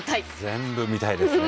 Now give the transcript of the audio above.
全部、見たいですね。